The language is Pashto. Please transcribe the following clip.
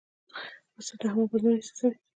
پسه د هوا بدلون احساسوي.